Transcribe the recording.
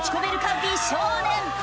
美少年！